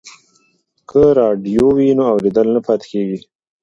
که راډیو وي نو اورېدل نه پاتې کیږي.